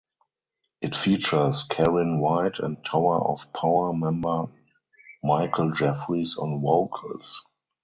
It features Karyn White and Tower of Power member Michael Jeffries on vocals.